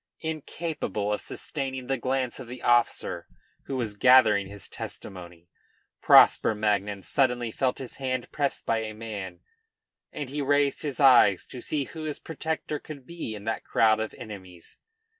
Incapable of sustaining the glance of the officer who was gathering his testimony, Prosper Magnan suddenly felt his hand pressed by a man, and he raised his eyes to see who his protector could be in that crowd of enemies.